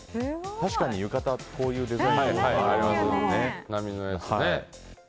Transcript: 確かに、浴衣ってこういうデザインになってますよね。